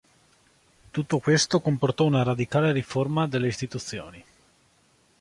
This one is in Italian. Tutto questo comportò una radicale riforma delle istituzioni.